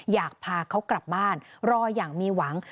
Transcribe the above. อยากพาเขากลับบ้านรออย่างมีหวัง